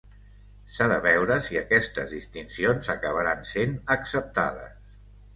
S'ha de veure si aquestes distincions acabaran sent acceptades.